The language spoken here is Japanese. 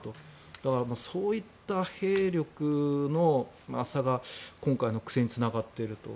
だから、そういった兵力の差が今回の苦戦につながっていると。